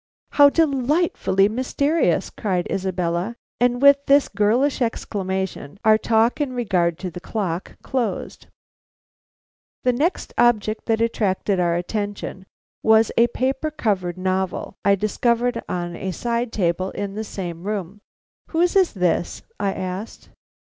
"How delightfully mysterious!" cried Isabella. And with this girlish exclamation our talk in regard to the clock closed. The next object that attracted our attention was a paper covered novel I discovered on a side table in the same room. "Whose is this?" I asked.